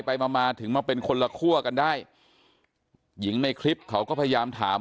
ไปมามาถึงมาเป็นคนละคั่วกันได้หญิงในคลิปเขาก็พยายามถาม